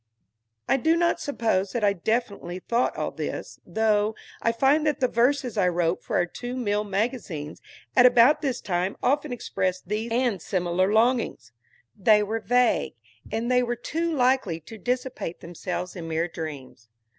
I do not suppose that I definitely thought all this, though I find that the verses I wrote for our two mill magazines at about this time often expressed these and similar longings. They were vague, and they were too likely to dissipate themselves in mere dreams.